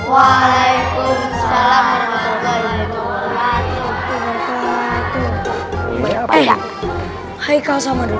waalaikumsalam warahmatullahi wabarakatuh